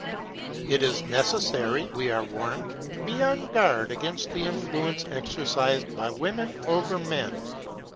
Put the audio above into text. It is necessary, we are warned, to be on guard against the influence exercised by women over men.